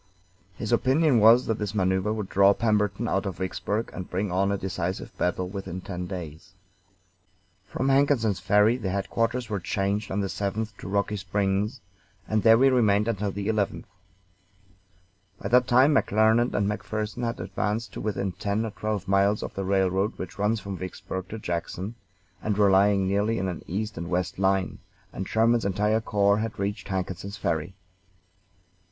His opinion was that this maneuver would draw Pemberton out of Vicksburg and bring on a decisive battle within ten days. From Hankinson's Ferry, the headquarters were changed on the 7th to Rocky Springs, and there we remained until the 11th. By that time McClernand and McPherson had advanced to within ten or twelve miles of the railroad which runs from Vicksburg to Jackson, and were lying nearly in an east and west line; and Sherman's entire corps had reached Hankinson's Ferry.